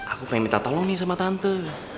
aku pengen minta tolong nih sama tante